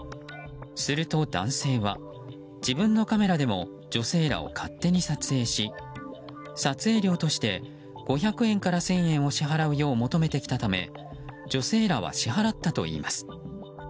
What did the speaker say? すると男性は自分のカメラでも女性らを勝手に撮影し撮影料として５００円から１０００円を支払うよう求めてきたため女性らは支払ったといいます。